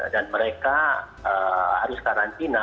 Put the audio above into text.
dan mereka harus karantina